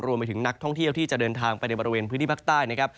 รวมไปถึงนักท่องเที่ยวที่จะเดินทางไปในบริเวณพื้นที่ภาคใต้